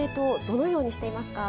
どのようにしていますか？